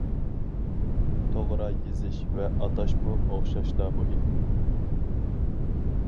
توغرا يېزىش ۋە ئاتاشمۇ ئوخشاشلا مۇھىم.